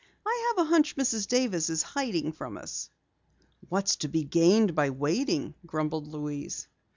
"I have a hunch Mrs. Davis is hiding from us." "What's to be gained by waiting?" grumbled Louise.